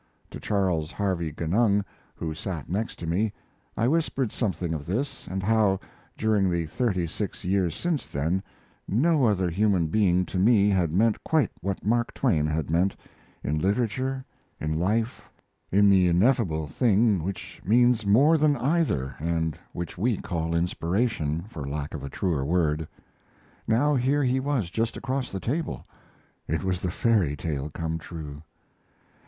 To Charles Harvey Genung, who sat next to me, I whispered something of this, and how, during the thirty six years since then, no other human being to me had meant quite what Mark Twain had meant in literature, in life, in the ineffable thing which means more than either, and which we call "inspiration," for lack of a truer word. Now here he was, just across the table. It was the fairy tale come true.